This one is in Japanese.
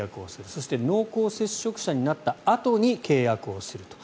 そして濃厚接触者になったあとに契約をすると。